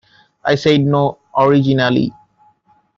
I said no originally.